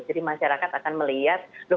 jadi masyarakat akan melihat